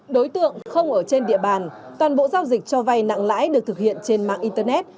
đối tượng không ở trên địa bàn toàn bộ giao dịch cho vay nặng lãi được thực hiện trên mạng internet